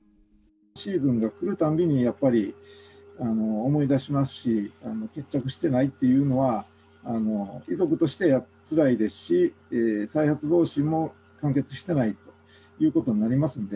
シーズンがくるたんびに、やっぱり思い出しますし、決着してないというのは、遺族としてつらいですし、再発防止も完結してないということになりますので。